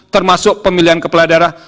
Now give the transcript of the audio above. termasuk pemilihan kepala daerah